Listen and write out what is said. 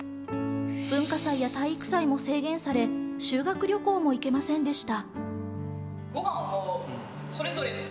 文化祭や体育祭も制限され、修学旅行も行けませんでした。